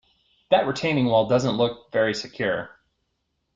That retaining wall doesn’t look very secure